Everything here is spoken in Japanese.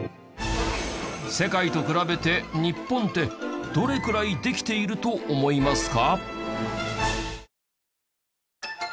世界と比べて日本ってどれくらいできていると思いますか？